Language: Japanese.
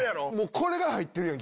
これが入ってるやん。